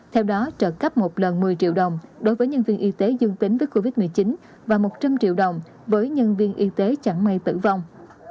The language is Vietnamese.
theo đó trợ cấp một lần một mươi triệu đồng đối với nhân viên y tế dương tính với covid một mươi chín và một trăm linh triệu đồng với nhân viên y tế chẳng may tử vong